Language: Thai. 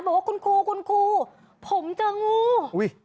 บอกว่าคุณครูคุณครูผมเจองูอุ้ย